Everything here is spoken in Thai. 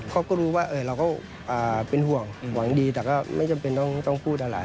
เขาก็รู้ว่าเราก็เป็นห่วงหวังดีแต่ก็ไม่จำเป็นต้องพูดอะไร